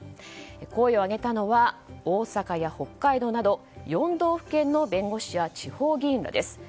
声を上げたのは大阪や北海道など４道府県の弁護士や地方議員です。